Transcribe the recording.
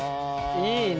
いいね。